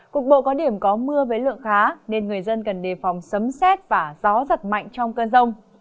cục bộ có điểm có mưa với lượng khá nên người dân cần đề phòng sấm xét và gió giật mạnh trong cơn rông